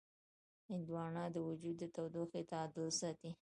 هندوانه د وجود د تودوخې تعادل ساتي.